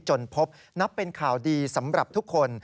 จนพบนับเป็นข่าวดีสำหรับทุกคน